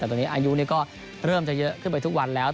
แต่ตอนนี้อายุก็เริ่มจะเยอะขึ้นไปทุกวันแล้ว